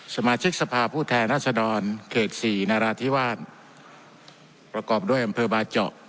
สมาชิกสภาพผู้แทนรัศดรเขตสี่นาราธิวาสประกอบด้วยอำเภอบาเจาะ